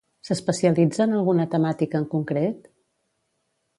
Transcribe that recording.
S'especialitza en alguna temàtica en concret?